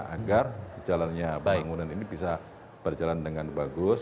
agar jalannya pembangunan ini bisa berjalan dengan bagus